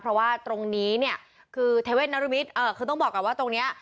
เพราะว่าตรงนี้เนี่ยคือเทเวทนรมิตรคือต้องบอกก่อนว่าตรงนี้